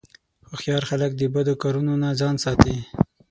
هوښیار خلک د بدو کارونو نه ځان ساتي.